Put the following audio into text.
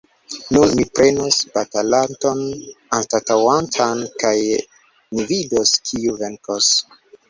Nun mi prenos batalanton anstataŭantan, kaj ni vidos, kiu venkos!